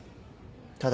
ただ。